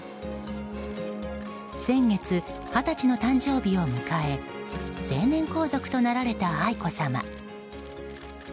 先月、二十歳の誕生日を迎え成年皇族となられた愛子さま。